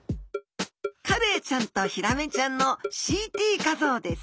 カレイちゃんとヒラメちゃんのＣＴ画像です。